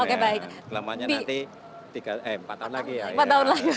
selamanya nanti empat tahun lagi ya